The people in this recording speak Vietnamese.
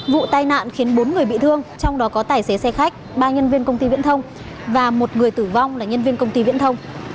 vụ tai nạn khiến bốn người bị thương trong đó có tài xế xe khách ba nhân viên công ty viễn thông và một người tử vong là nhân viên công ty viễn thông